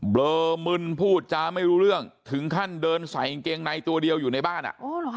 เริ่มึนพูดจาไม่รู้เรื่องถึงขั้นเดินใส่กางเกงในตัวเดียวอยู่ในบ้าน